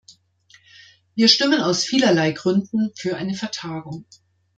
Wir stimmen aus vielerlei Gründen für eine Vertagung.